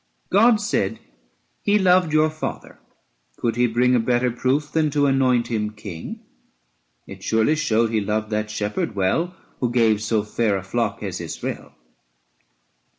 God said, He loved your father ; could He bring A better proof than to anoint him King? 430 It surely showed, He loved the shepherd well Who gave so fair a flock as Israel.